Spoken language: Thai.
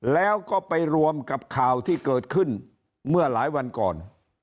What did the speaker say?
แล้วก็ไปรวมกับข่าวที่เกิดขึ้นเมื่อหลายวันก่อน